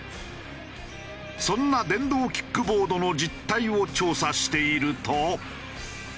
そんな電動キックボードの実態を調査していると。